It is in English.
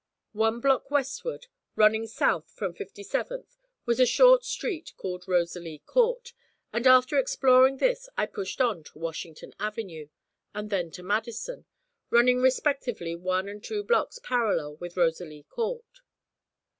One block westward, running south from Fifty seventh, was a short street called Rosalie Court, and after exploring this I pushed on to Washington Avenue, and then to Madison, running respectively one and two blocks parallel with Rosalie Court.